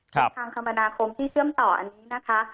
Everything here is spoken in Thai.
ทางคมนาคมที่เชื่อมต่ออันนี้นะคะ